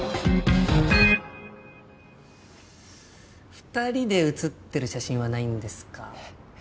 ２人で写ってる写真はないんですか？